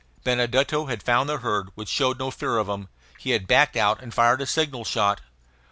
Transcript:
Benedetto had found the herd, which showed no fear of him; he had backed out and fired a signal shot.